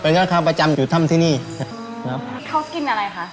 ร้านค้าประจำอยู่ถ้ำที่นี่ครับเขากินอะไรคะ